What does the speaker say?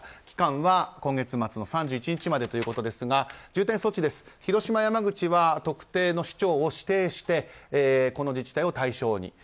期間は今月末の３１日までということですが重点措置、広島、山口は特定の市町を指定してこの自治体を対象に。